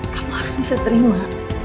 kamu harus bisa terima